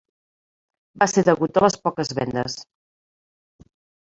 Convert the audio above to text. Va ser degut a les poques vendes.